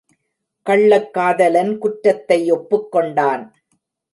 கள்ளக்காதலன் குற்றத்தை ஒப்புக்கொண்டான்!